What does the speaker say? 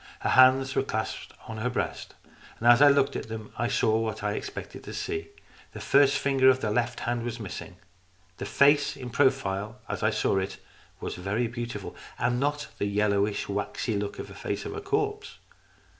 Her hands were clasped on her breast. As I looked at them, I saw what I had expected to see. The first finger of the left hand was missing. The face in profile, as I saw it, was very beautiful, and had not the yellowish waxy look of the face of a corpse.